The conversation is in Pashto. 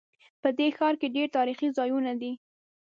په دې ښار کې ډېر تاریخي ځایونه دي